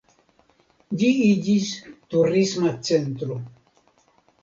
Ĝi iĝis turisma centro.